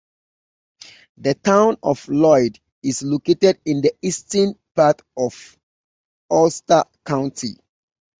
The Town of Lloyd is located in the eastern part of Ulster County.